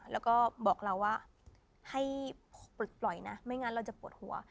แล้วก็บอกเราว่าให้ปลดปล่อยนะไม่งั้นเราจะปวดหัว